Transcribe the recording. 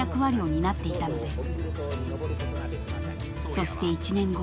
［そして１年後］